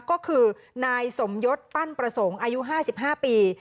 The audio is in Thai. ก็คือนายสมยศปั้นประสงค์อายุ๕๕ปี